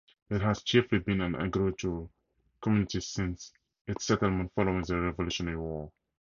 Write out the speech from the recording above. It has chiefly been an agricultural community since its settlement following the Revolutionary War.